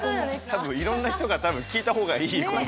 多分いろんな人が多分聞いた方がいい言葉。